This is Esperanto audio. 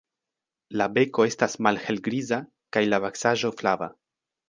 La beko estas malhelgriza kaj la vaksaĵo flava.